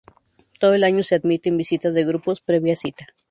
Todo el año se admiten visitas de grupos previa cita.